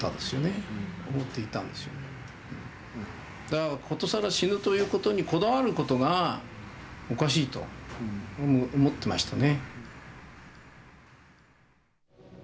だから殊更死ぬということにこだわることがおかしいと思ってましたね。